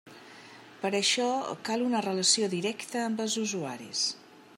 Per això cal una relació directa amb els usuaris.